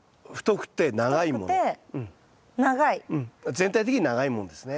全体的に長いものですね。